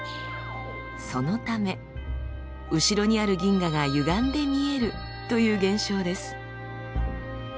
そのため後ろにある銀河がゆがんで見えるという現象です。